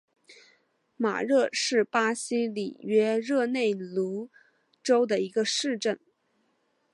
马热是巴西里约热内卢州的一个市镇。